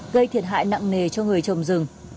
gây thiệt hại nặng nề cho người trồng rừng